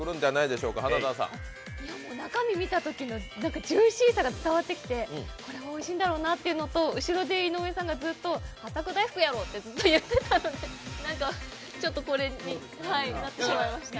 中身見たときのジューシーさが伝わってきて、これはおいしいんだろうなっていうのと、ずっとはっさく大福やろって言ってたので何かちょっと、これになってしまいました。